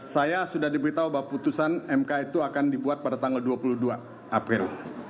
saya sudah diberitahu bahwa putusan mk itu akan dibuat pada tanggal dua puluh dua april